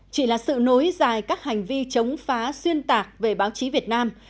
chỉ là sự nối dài các hành vi chống phá xuyên tạc về báo chí việt nam